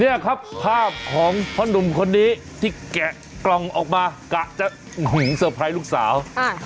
นี่ครับภาพของพ่อหนุ่มคนนี้ที่แกะกล่องออกมากะจะเซอร์ไพรส์ลูกสาว